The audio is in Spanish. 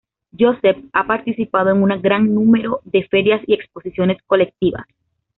Joseph ha participado en un gran número de ferias y exposiciones colectivas.